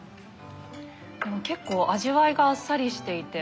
でも結構味わいがあっさりしていて。